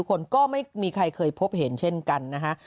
คนก็ไม่มีใครเคยพบเห็นกันนะ